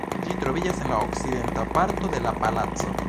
Ĝi troviĝas en la okcidenta parto de la palaco.